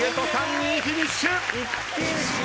２位フィニッシュ。